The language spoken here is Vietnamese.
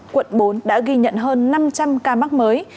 quận bốn đã ghi nhận hơn năm trăm linh ca mắc mới